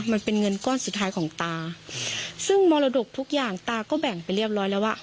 มันเป็นเงินก้อนสุดท้ายของตาซึ่งมรดกทุกอย่างตาก็แบ่งไปเรียบร้อยแล้วว่า